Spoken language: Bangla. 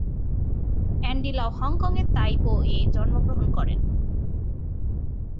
অ্যান্ডি লাউ হংকংয়ের তাই পো-এ জন্মগ্রহণ করেন।